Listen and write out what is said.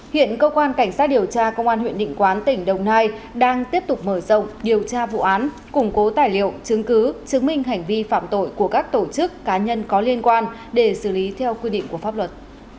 hiện cơ quan cảnh sát điều tra công an huyện định quán tỉnh đồng nai đang tiếp tục mở rộng điều tra vụ án củng cố tài liệu chứng cứ chứng minh hành vi phạm tội của các tổ chức cá nhân có liên quan để xử lý theo quy định của pháp luật